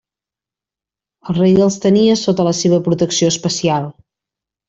El rei els tenia sota la seva protecció especial.